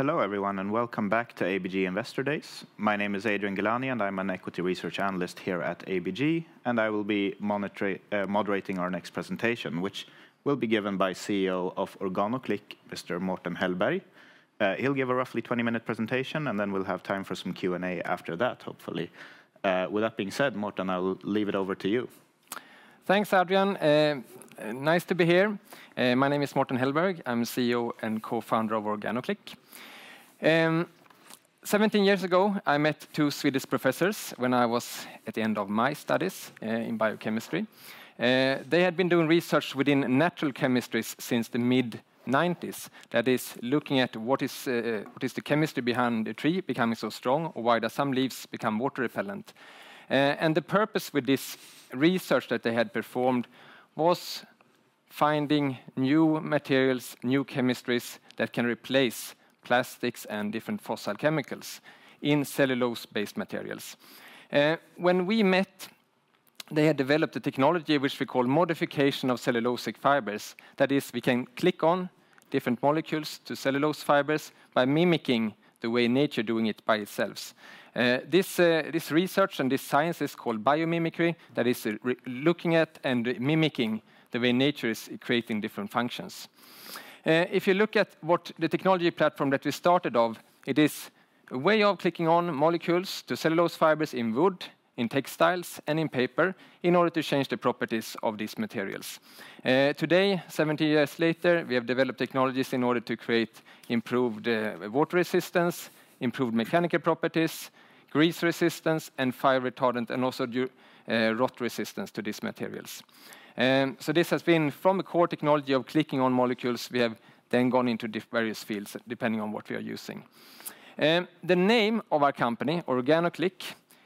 Hello, everyone, and welcome back to ABG Investor Days. My name is Adrian Gilani, and I'm an equity research analyst here at ABG, and I will be moderating our next presentation, which will be given by CEO of OrganoClick, Mr. Mårten Hellberg. He'll give a roughly 20-minute presentation, and then we'll have time for some Q&A after that, hopefully. With that being said, Mårten, I will leave it over to you. Thanks, Adrian. Nice to be here. My name is Mårten Hellberg. I'm CEO and co-founder of OrganoClick. 17 years ago, I met two Swedish professors when I was at the end of my studies in biochemistry. They had been doing research within natural chemistries since the mid-1990s. That is, looking at what is, what is the chemistry behind a tree becoming so strong, or why do some leaves become water-repellent? And the purpose with this research that they had performed was finding new materials, new chemistries, that can replace plastics and different fossil chemicals in cellulose-based materials. When we met, they had developed a technology which we call modification of cellulosic fibers. That is, we can click on different molecules to cellulose fibers by mimicking the way nature doing it by itself. This research and this science is called Biomimicry, that is, looking at and mimicking the way nature is creating different functions. If you look at what the technology platform that we started off, it is a way of clicking on molecules to cellulose fibers in wood, in textiles, and in paper, in order to change the properties of these materials. Today, 17 years later, we have developed technologies in order to create improved water resistance, improved mechanical properties, grease resistance, and fire retardant, and also rot resistance to these materials. So this has been from a core technology of clicking on molecules, we have then gone into various fields, depending on what we are using. The name of our company, OrganoClick,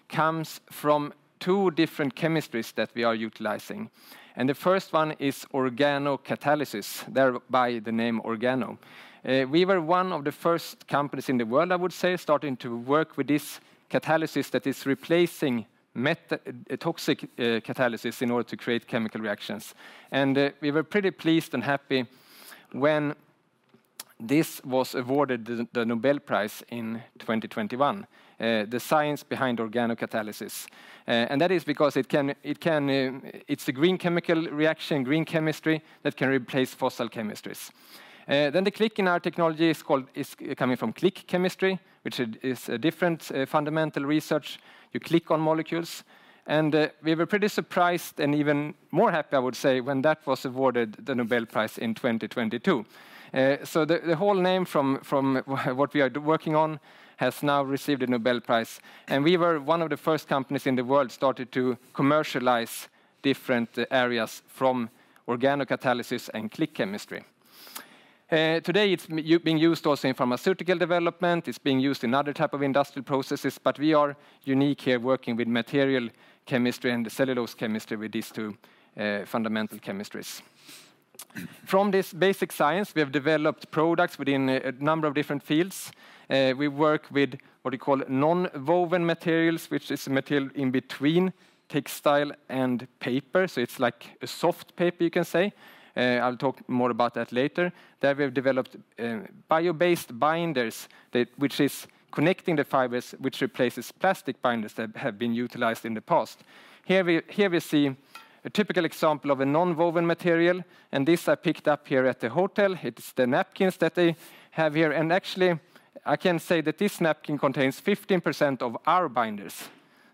comes from two different chemistries that we are utilizing, and the first one is organocatalysis, thereby the name Organo. We were one of the first companies in the world, I would say, starting to work with this catalysis that is replacing metal-toxic catalysis in order to create chemical reactions. We were pretty pleased and happy when this was awarded the Nobel Prize in 2021, the science behind organocatalysis. And that is because it can, It's a green chemical reaction, green chemistry, that can replace fossil chemistries. Then the click in our technology is coming from Click chemistry, which is a different fundamental research. You click on molecules, and we were pretty surprised and even more happy, I would say, when that was awarded the Nobel Prize in 2022. So the whole name from what we are working on has now received a Nobel Prize, and we were one of the first companies in the world started to commercialize different areas from organocatalysis and Click chemistry. Today, it's being used also in pharmaceutical development. It's being used in other type of industrial processes, but we are unique here working with material chemistry and the cellulose chemistry with these two fundamental chemistries. From this basic science, we have developed products within a number of different fields. We work with what we call nonwoven materials, which is material in between textile and paper, so it's like a soft paper, you can say. I'll talk more about that later. There, we have developed bio-based binders that, which is connecting the fibers, which replaces plastic binders that have been utilized in the past. Here we see a typical example of a nonwoven material, and this I picked up here at the hotel. It's the napkins that they have here, and actually, I can say that this napkin contains 15% of our binders.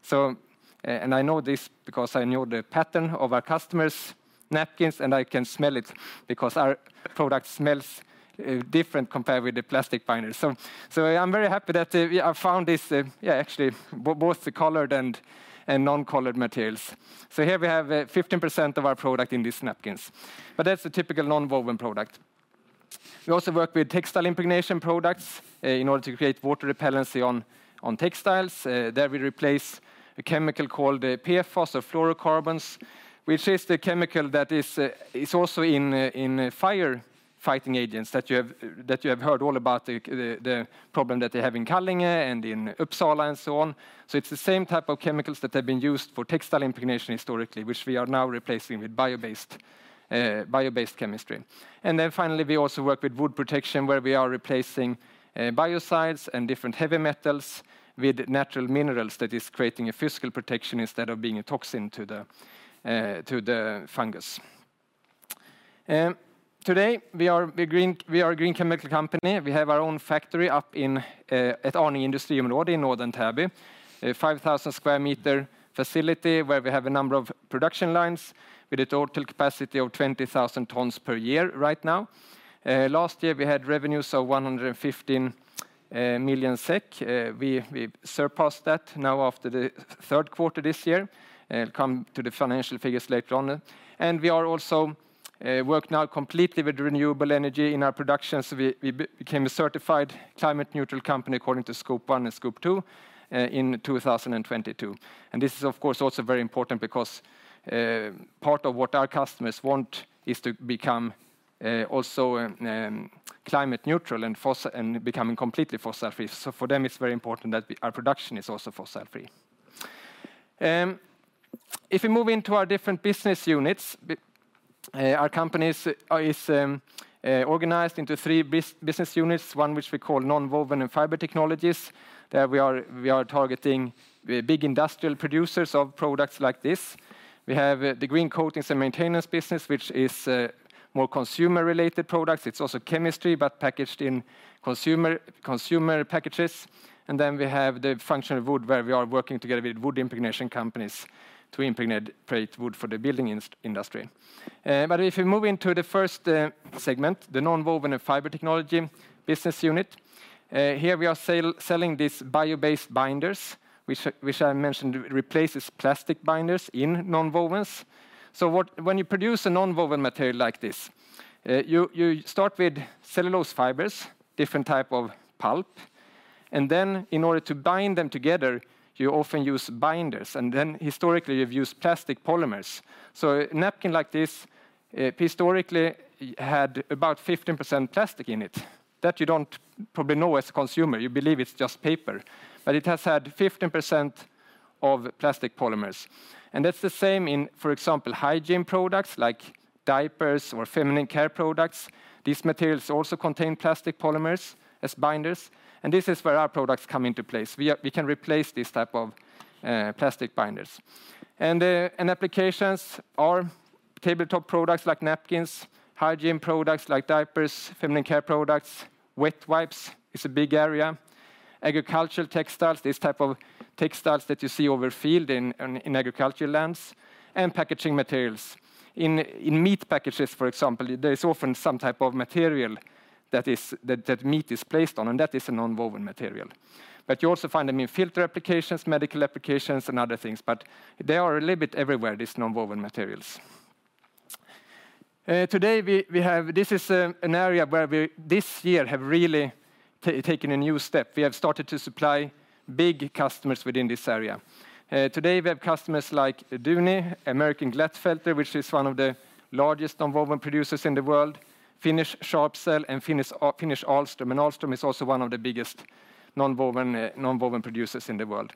So, and I know this because I know the pattern of our customer's napkins, and I can smell it because our product smells different compared with the plastic binders. So, I'm very happy that we, I found this, yeah, actually, both the colored and non-colored materials. So here we have 15% of our product in these napkins, but that's a typical nonwoven product. We also work with textile impregnation products in order to create water repellency on textiles. There we replace a chemical called the PFOS or fluorocarbons, which is the chemical that is also in firefighting agents that you have heard all about the problem that they have in Kallinge and in Uppsala and so on. So it's the same type of chemicals that have been used for textile impregnation historically, which we are now replacing with bio-based chemistry. And then finally, we also work with wood protection, where we are replacing biocides and different heavy metals with natural minerals that is creating a physical protection instead of being a toxin to the fungus. Today, we are a green chemical company. We have our own factory up in at Arninge Industriområde in northern Täby. A 5,000-square-meter facility where we have a number of production lines with a total capacity of 20,000 tons per year right now. Last year, we had revenues of 115 million SEK. We surpassed that now after the third quarter this year. Come to the financial figures later on. And we are also work now completely with renewable energy in our production, so we became a certified Climate Neutral company according to Scope 1 and Scope 2 in 2022. And this is, of course, also very important because part of what our customers want is to become also climate neutral and fossil- and becoming completely fossil free. So for them, it's very important that our production is also fossil free. If we move into our different business units, our company is organized into three business units, one which we call Nonwoven and Fiber Technologies. There we are targeting big industrial producers of products like this. We have the Green Coatings and Maintenance business, which is more consumer-related products. It's also chemistry, but packaged in consumer packages. And then we have the Functional Wood, where we are working together with wood impregnation companies to impregnate wood for the building industry. But if you move into the first segment, the Nonwoven and Fiber Technology business unit, here we are selling these bio-based binders, which I mentioned replaces plastic binders in nonwovens. So when you produce a nonwoven material like this, you start with cellulose fibers, different type of pulp, and then in order to bind them together, you often use binders, and then historically, you've used plastic polymers. So a napkin like this, historically, had about 15% plastic in it. That you don't probably know as a consumer. You believe it's just paper, but it has had 15% of plastic polymers, and that's the same in, for example, hygiene products like diapers or feminine care products. These materials also contain plastic polymers as binders, and this is where our products come into place. We can replace these type of plastic binders. And applications are tabletop products like napkins, hygiene products like diapers, feminine care products, wet wipes is a big area, agricultural textiles, these type of textiles that you see over field in agricultural lands, and packaging materials. In meat packages, for example, there is often some type of material that meat is placed on, and that is a nonwoven material. But you also find them in filter applications, medical applications, and other things, but they are a little bit everywhere, these nonwoven materials. Today, this is an area where we, this year, have really taken a new step. We have started to supply big customers within this area. Today, we have customers like Duni, American Glatfelter, which is one of the largest nonwoven producers in the world, Finnish SharpCell, and Finnish Ahlstrom, and Ahlstrom is also one of the biggest nonwoven producers in the world.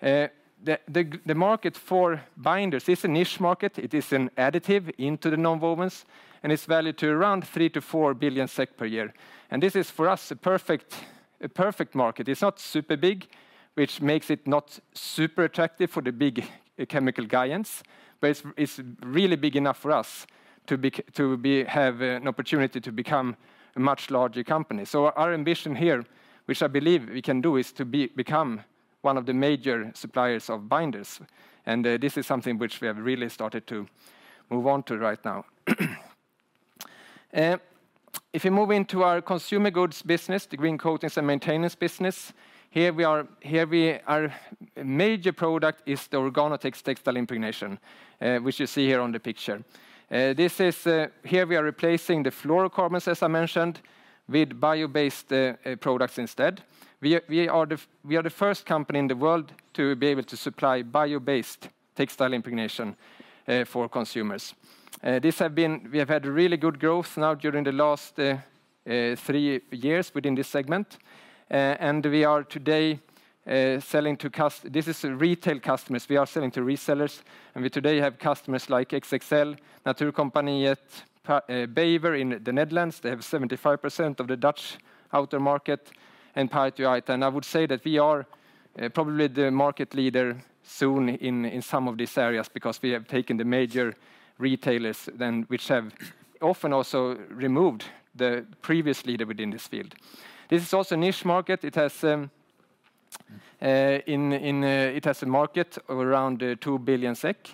The market for binders is a niche market. It is an additive into the nonwovens, and it's valued to around 3 billion-4 billion SEK per year. This is, for us, a perfect market. It's not super big, which makes it not super attractive for the big chemical giants, but it's really big enough for us to have an opportunity to become a much larger company. So our ambition here, which I believe we can do, is to become one of the major suppliers of binders, and this is something which we have really started to move on to right now. If you move into our Consumer Goods business, the Green Coatings and Maintenance business, here we are. Our major product is the OrganoTex textile impregnation, which you see here on the picture. This is, here, we are replacing the fluorocarbons, as I mentioned, with bio-based products instead. We are the first company in the world to be able to supply bio-based textile impregnation for consumers. We have had really good growth now during the last three years within this segment, and we are today selling to customers. This is retail customers. We are selling to resellers, and we today have customers like XXL, Naturkompaniet, Bever in the Netherlands. They have 75% of the Dutch outdoor market, and Partioaitta. And I would say that we are probably the market leader soon in some of these areas, because we have taken the major retailers, then, which have often also removed the previous leader within this field. This is also a niche market. It has a market of around 2 billion SEK.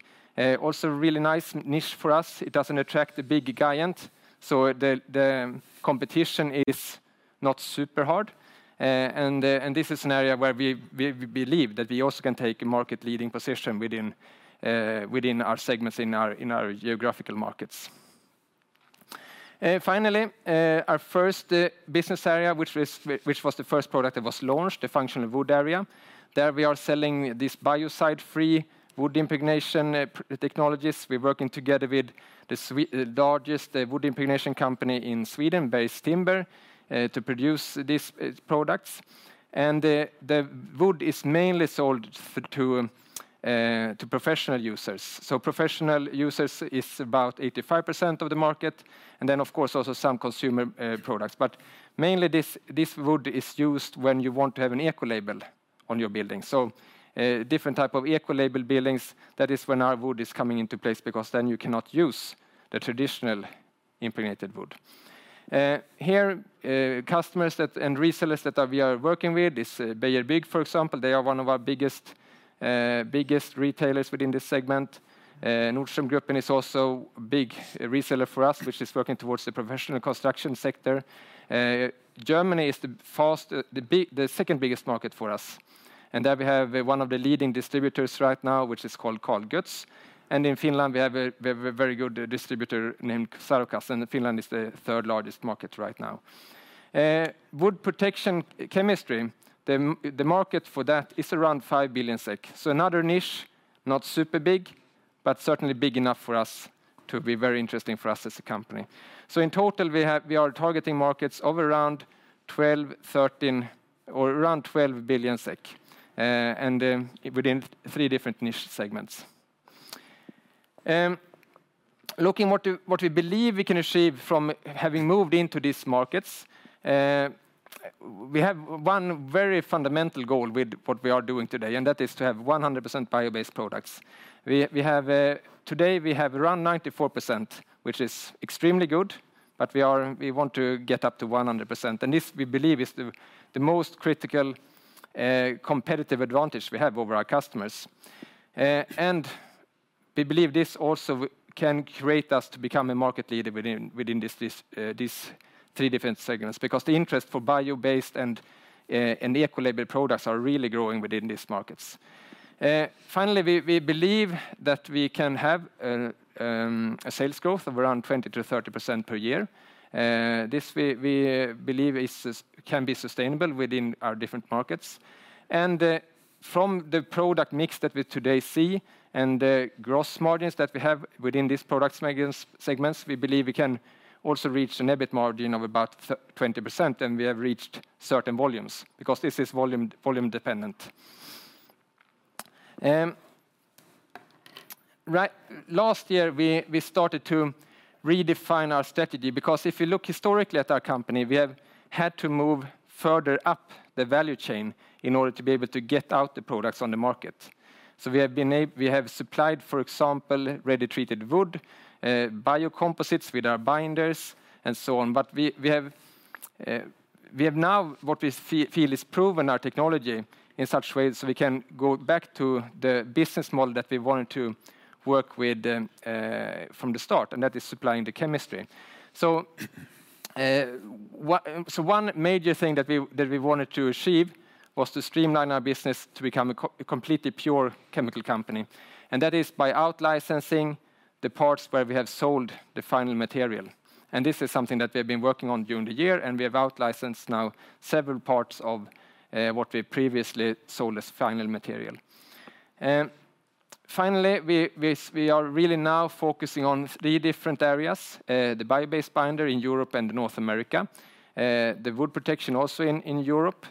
Also a really nice niche for us. It doesn't attract the big giant, so the competition is not super hard, and this is an area where we believe that we also can take a market-leading position within our segments in our geographical markets. Finally, our first business area, which was which was the first product that was launched, the functional wood area. There, we are selling these biocide-free wood impregnation technologies. We're working together with the largest wood impregnation company in Sweden, Beijer Timber, to produce these products. And, the wood is mainly sold to professional users. So professional users is about 85% of the market, and then, of course, also some consumer products. But mainly this, this wood is used when you want to have an eco label on your building. So, different type of eco label buildings, that is when our wood is coming into place, because then you cannot use the traditional impregnated wood. Here, customers that, and resellers that, we are working with is Beijer Bygg, for example. They are one of our biggest, biggest retailers within this segment. Nordström Group is also a big reseller for us, which is working towards the professional construction sector. Germany is the fast, the big, the second-biggest market for us, and there we have one of the leading distributors right now, which is called Karl Götz, and in Finland, we have a very good distributor named Sarokas, and Finland is the third-largest market right now. Wood protection chemistry, the market for that is around 5 billion SEK. So another niche, not super big, but certainly big enough for us to be very interesting for us as a company. So in total, we are targeting markets of around 12, 13, or around 12 billion SEK, and within three different niche segments. Looking at what we believe we can achieve from having moved into these markets, we have one very fundamental goal with what we are doing today, and that is to have 100% bio-based products. Today, we have around 94%, which is extremely good, but we want to get up to 100%. This, we believe, is the most critical competitive advantage we have over our customers. We believe this also can create us to become a market leader within these three different segments, because the interest for bio-based and eco-label products are really growing within these markets. Finally, we believe that we can have a sales growth of around 20%-30% per year. This we believe can be sustainable within our different markets. From the product mix that we today see and the gross margins that we have within these product segments, we believe we can also reach an EBIT margin of about 20%, and we have reached certain volumes because this is volume, volume dependent. Last year, we started to redefine our strategy, because if you look historically at our company, we have had to move further up the value chain in order to be able to get out the products on the market. So we have supplied, for example, ready-treated wood, bio composites with our binders, and so on. But we have now what we feel is proven our technology in such ways, so we can go back to the business model that we wanted to work with from the start, and that is supplying the chemistry. So one major thing that we wanted to achieve was to streamline our business to become a completely pure chemical company, and that is by out-licensing the parts where we have sold the final material. And this is something that we have been working on during the year, and we have out-licensed now several parts of what we previously sold as final material. Finally, we are really now focusing on three different areas: the bio-based binder in Europe and North America, the wood protection also in Europe,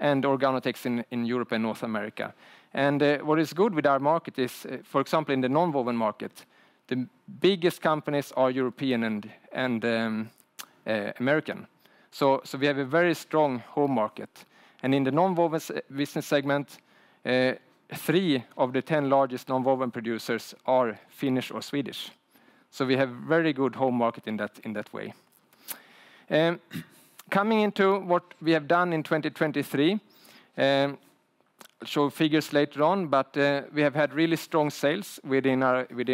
and OrganoTex in Europe and North America. And what is good with our market is, for example, in the nonwoven market, the biggest companies are European and American. So we have a very strong home market. And in the nonwovens business segment, three of the 10 largest nonwoven producers are Finnish or Swedish. So we have very good home market in that way. Coming into what we have done in 2023, show figures later on, but we have had really strong sales within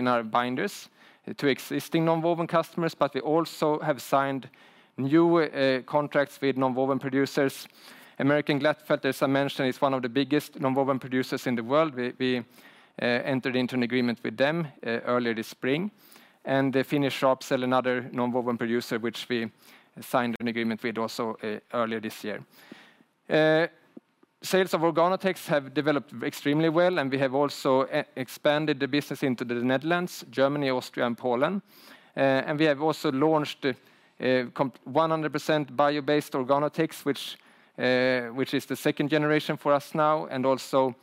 our binders to existing nonwoven customers, but we also have signed new contracts with nonwoven producers. Glatfelter, as I mentioned, is one of the biggest nonwoven producers in the world. We entered into an agreement with them earlier this spring, and the Finnish SharpCell, another nonwoven producer, which we signed an agreement with also earlier this year. Sales of OrganoTex have developed extremely well, and we have also expanded the business into the Netherlands, Germany, Austria, and Poland. And we have also launched 100% bio-based OrganoTex, which is the second generation for us now, and also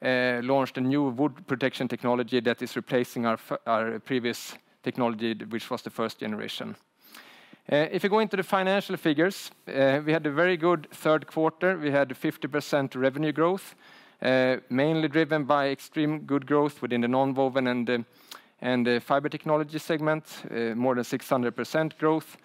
launched a new wood protection technology that is replacing our previous technology, which was the first generation. If you go into the financial figures, we had a very good third quarter. We had a 50% revenue growth, mainly driven by extreme good growth within the nonwoven and the fiber technology segment, more than 600% growth.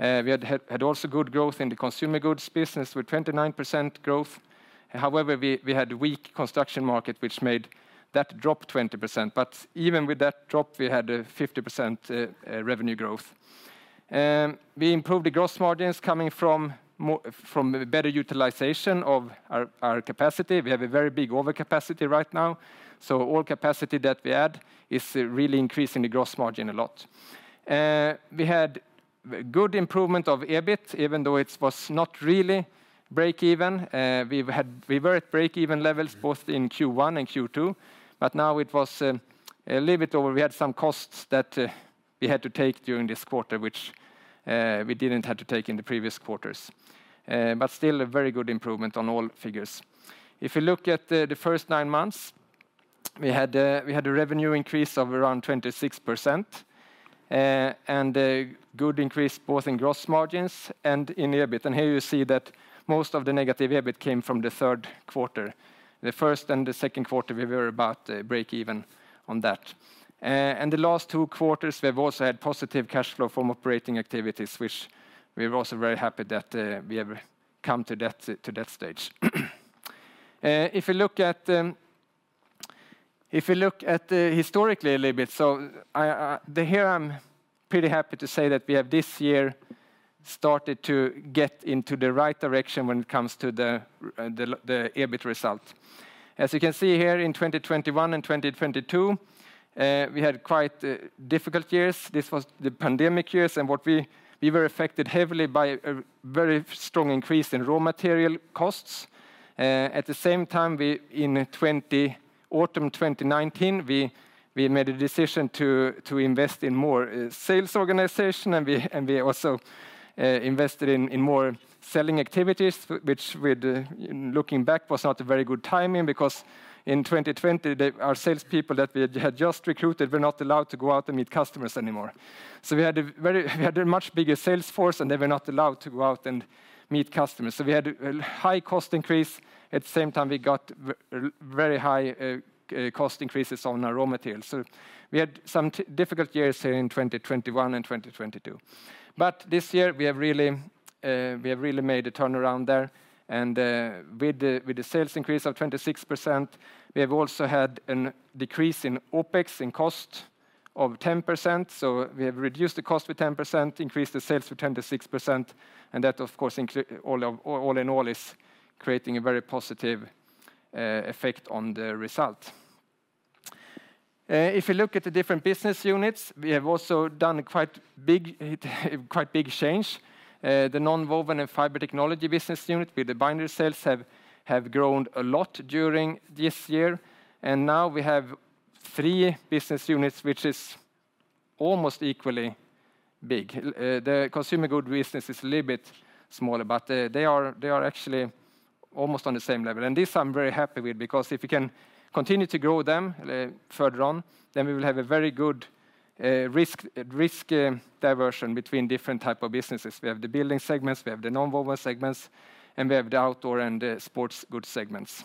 We had also good growth in the Consumer Goods business with 29% growth. However, we had weak construction market, which made that drop 20%. But even with that drop, we had a 50% revenue growth. We improved the gross margins coming from from better utilization of our capacity. We have a very big overcapacity right now, so all capacity that we add is really increasing the gross margin a lot. We had good improvement of EBIT, even though it was not really break even. We were at break-even levels both in Q1 and Q2, but now it was a little bit over. We had some costs that we had to take during this quarter, which we didn't have to take in the previous quarters. But still a very good improvement on all figures. If you look at the first nine months, we had a revenue increase of around 26%, and a good increase both in gross margins and in EBIT. And here you see that most of the negative EBIT came from the third quarter. The first and the second quarter, we were about break even on that. And the last two quarters, we've also had positive cash flow from operating activities, which we're also very happy that we have come to that stage. If you look at... If you look at historically a little bit, so here I'm pretty happy to say that we have this year started to get into the right direction when it comes to the EBIT result. As you can see here, in 2021 and 2022, we had quite difficult years. This was the pandemic years, and we were affected heavily by a very strong increase in raw material costs. At the same time, in autumn 2019, we made a decision to invest in more sales organization, and we also invested in more selling activities, which, looking back, was not a very good timing, because in 2020, our salespeople that we had just recruited were not allowed to go out and meet customers anymore. We had a much bigger sales force, and they were not allowed to go out and meet customers. So we had a high cost increase. At the same time, we got very high cost increases on our raw materials. So we had some difficult years here in 2021 and 2022. But this year we have really, we have really made a turnaround there, and with the sales increase of 26%, we have also had an decrease in OpEx, in cost, of 10%. So we have reduced the cost by 10%, increased the sales to 26%, and that, of course, include all in all, is creating a very positive effect on the result. If you look at the different business units, we have also done a quite big change. The Nonwoven and Fiber Technology business unit with the binder sales have grown a lot during this year, and now we have three business units, which is almost equally big. The Consumer Goods business is a little bit smaller, but they are actually almost on the same level. And this I'm very happy with, because if we can continue to grow them further on, then we will have a very good risk diversification between different type of businesses. We have the building segments, we have the nonwoven segments, and we have the outdoor and sports goods segments.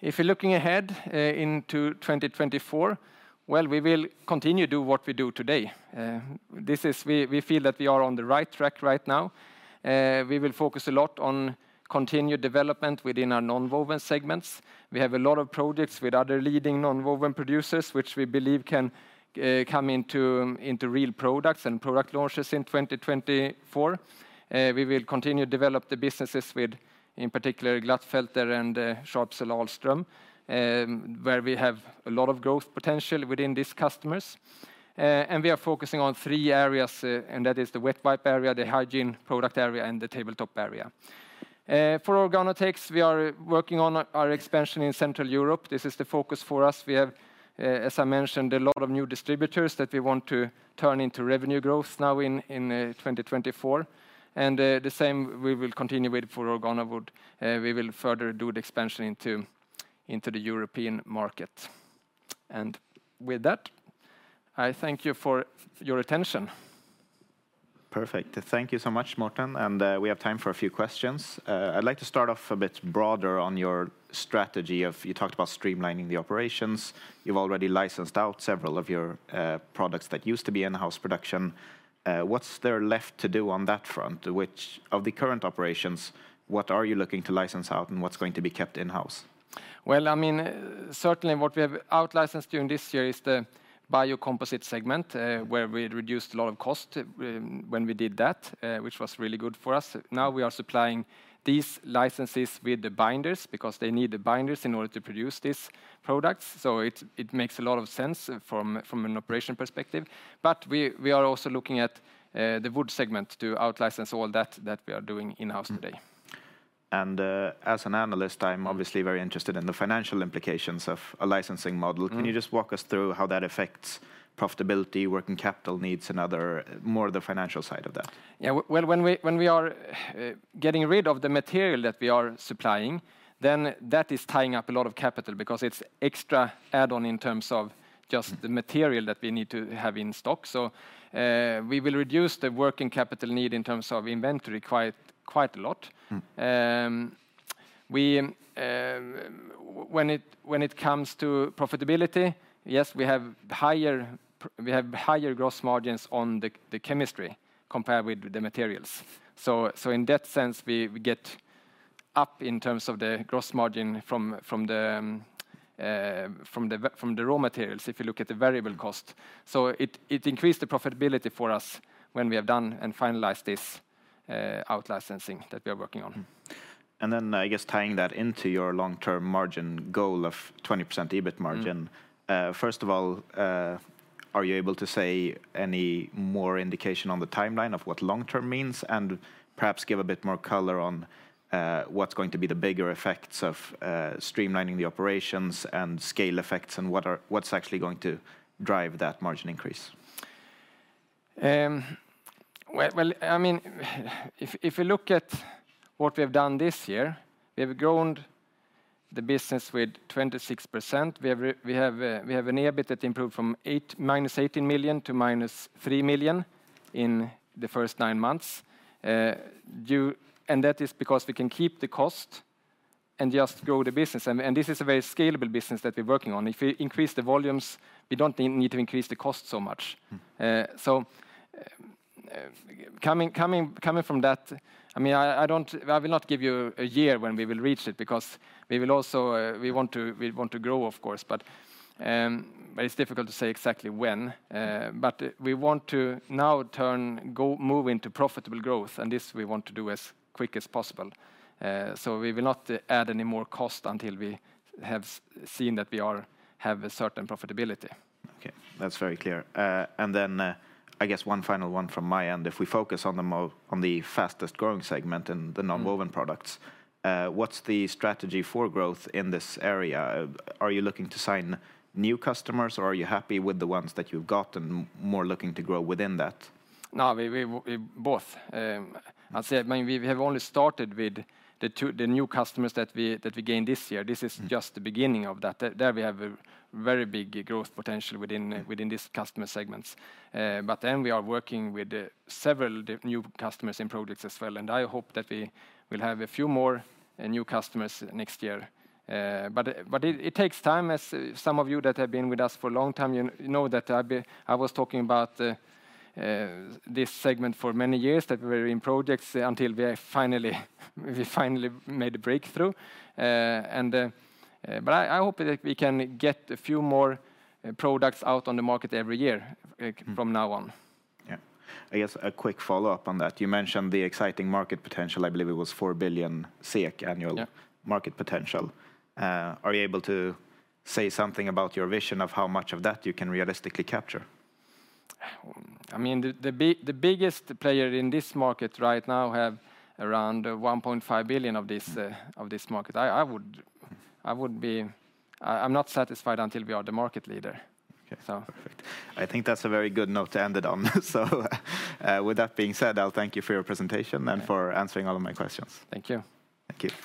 If you're looking ahead into 2024, well, we will continue to do what we do today. We feel that we are on the right track right now. We will focus a lot on continued development within our nonwoven segments. We have a lot of projects with other leading nonwoven producers, which we believe can come into real products and product launches in 2024. We will continue to develop the businesses with, in particular, Glatfelter and Ahlstrom, where we have a lot of growth potential within these customers. We are focusing on three areas, and that is the wet wipe area, the hygiene product area, and the tabletop area. For OrganoTex, we are working on our expansion in Central Europe. This is the focus for us. We have, as I mentioned, a lot of new distributors that we want to turn into revenue growth now in 2024. And the same we will continue with for OrganoWood, we will further do the expansion into the European market. And with that, I thank you for your attention. Perfect. Thank you so much, Mårten, and we have time for a few questions. I'd like to start off a bit broader on your strategy of. You talked about streamlining the operations. You've already licensed out several of your products that used to be in-house production. What's there left to do on that front? Which of the current operations, what are you looking to license out, and what's going to be kept in-house? Well, I mean, certainly what we have outlicensed during this year is the biocomposite segment, where we reduced a lot of cost when we did that, which was really good for us. Now we are supplying these licenses with the binders, because they need the binders in order to produce these products, so it, it makes a lot of sense from, from an operation perspective. But we, we are also looking at, the wood segment to outlicense all that, that we are doing in-house today. Mm-hmm. And, as an analyst, I'm obviously very interested in the financial implications of a licensing model. Mm-hmm. Can you just walk us through how that affects profitability, working capital needs, and other, more of the financial side of that? Yeah. Well, when we, when we are getting rid of the material that we are supplying, then that is tying up a lot of capital because it's extra add-on in terms of just- Mm the material that we need to have in stock. So, we will reduce the working capital need in terms of inventory quite, quite a lot. Mm. When it comes to profitability, yes, we have higher gross margins on the chemistry compared with the materials. So in that sense, we get up in terms of the gross margin from the raw materials, if you look at the variable cost. Mm-hmm. So it increased the profitability for us when we have done and finalized this out-licensing that we are working on. Mm-hmm. And then, I guess tying that into your long-term margin goal of 20% EBIT margin- Mm. First of all, are you able to say any more indication on the timeline of what long-term means? And perhaps give a bit more color on what's going to be the bigger effects of streamlining the operations and scale effects, and what's actually going to drive that margin increase? Well, well, I mean, if you look at what we have done this year, we have grown the business with 26%. We have an EBIT that improved from -18 million to -3 million in the first nine months, due. And that is because we can keep the cost, and just grow the business. And this is a very scalable business that we're working on. If we increase the volumes, we don't need to increase the cost so much. So, coming from that, I mean, I don't- I will not give you a year when we will reach it, because we will also. We want to grow, of course, but it's difficult to say exactly when. But we want to now turn, move into profitable growth, and this we want to do as quick as possible. So we will not add any more cost until we have seen that we are, have a certain profitability. Okay, that's very clear. And then, I guess one final one from my end. If we focus on the fastest-growing segment in the nonwoven products- Mm-hmm what's the strategy for growth in this area? Are you looking to sign new customers, or are you happy with the ones that you've got and more looking to grow within that? No, we both. I'd say, I mean, we have only started with the two, the new customers that we gained this year. This is- Mm just the beginning of that. There we have a very big growth potential within this customer segments. But then we are working with several new customers and projects as well, and I hope that we will have a few more new customers next year. But it takes time, as some of you that have been with us for a long time, you know that I've been I was talking about this segment for many years, that we were in projects until we have finally, we finally made a breakthrough. But I hope that we can get a few more products out on the market every year from now on. Yeah. I guess a quick follow-up on that. You mentioned the exciting market potential. I believe it was 4 billion SEK annual- Yeah market potential. Are you able to say something about your vision of how much of that you can realistically capture? I mean, the biggest player in this market right now have around 1.5 billion of this, of this market. I would be, I, I'm not satisfied until we are the market leader. Okay. So. Perfect. I think that's a very good note to end it on. With that being said, I'll thank you for your presentation- Yeah and for answering all of my questions. Thank you. Thank you.